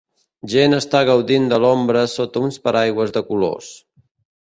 Gent està gaudint de l'ombra sota uns paraigües de colors.